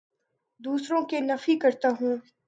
دوسروں کے نفی کرتا ہوں